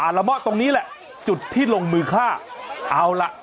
ขอบคุณครับขอบคุณครับ